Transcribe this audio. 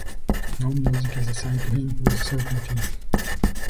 No music is assigned to him with certainty.